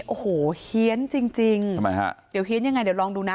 โอ้โหเฮียนจริงจริงทำไมฮะเดี๋ยวเฮียนยังไงเดี๋ยวลองดูนะ